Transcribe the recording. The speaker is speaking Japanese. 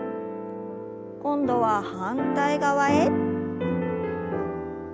今度は反対側へ。